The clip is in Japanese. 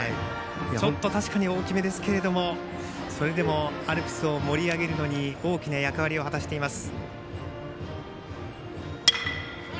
ちょっと大きめですけれどもそれでもアルプスを盛り上げるのに大きな役割を果たしています。